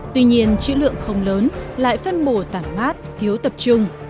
tuy nhiên chữ lượng không lớn lại phân bổ tảng mát thiếu tập trung